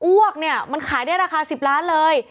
อ้วกเนี่ยมันขายได้ราคา๑๐ล้านเลย